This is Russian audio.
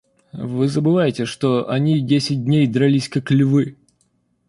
Вы забываете, что они десять дней дрались, как львы.